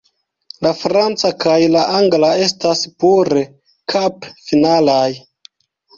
La franca kaj la angla estas pure kap-finalaj.